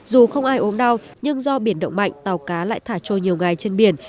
dù không ai ốm đau nhưng do biển động mạnh tàu cá lại thả trôi nhiều ngày trên biển